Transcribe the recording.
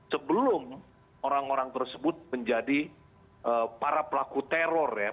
sebelum orang orang tersebut menjadi para pelaku teror ya